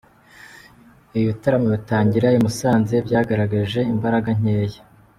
Ibi bitaramo bitangira i Musanze byagaragaje imbaraga nkeya.